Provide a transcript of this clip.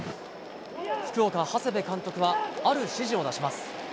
福岡、長谷部監督はある指示を出します。